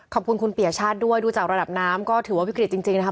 ขอบคุณคุณเปียชาติด้วยดูจากระดับน้ำก็ถือว่าวิกฤตจริงนะคะ